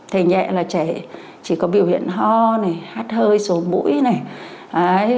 thể nhẹ là trẻ chỉ có biểu hiện ho này hát hơi sổ bũi này